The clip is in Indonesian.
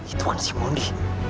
itu kan si mondi